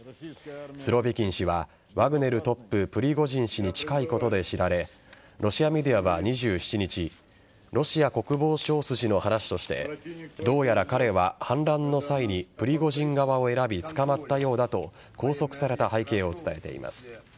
スロビキン氏はワグネルトッププリゴジン氏に近いことで知られロシアメディアは２７日ロシア国防省筋の話としてどうやら彼は、反乱の際にプリゴジン側を選び捕まったようだと拘束された背景を伝えています。